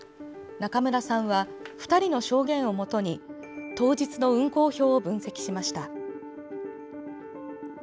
中村さんは２人の証言をもとに当日の運行表を分析しました。